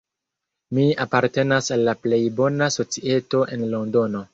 Mi apartenas al la plej bona societo en Londono.